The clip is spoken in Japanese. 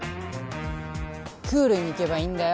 クールにいけばいいんだよ